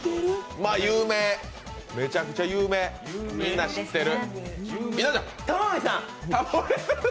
有名、めちゃくちゃ有名みんな知ってる。